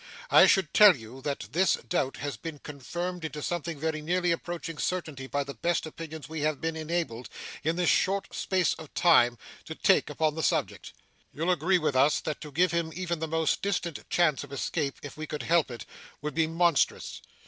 I should tell you that this doubt has been confirmed into something very nearly approaching certainty by the best opinions we have been enabled, in this short space of time, to take upon the subject. You'll agree with us, that to give him even the most distant chance of escape, if we could help it, would be monstrous.